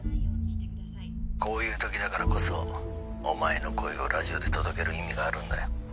「こういう時だからこそお前の声をラジオで届ける意味があるんだよ」